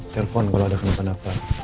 telepon kalau ada kenapa kenapa